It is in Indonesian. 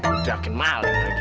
dia jahatkan maling lagi